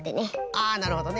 あなるほどね。